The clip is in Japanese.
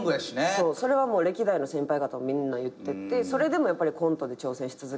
そうそれは歴代の先輩方もみんな言っててそれでもコントで挑戦し続けたい。